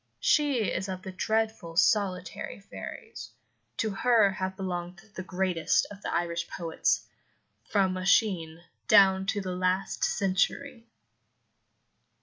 She is of the dreadful solitary fairies. To her have belonged the greatest of the Irish poets, from Oisin down to the last century.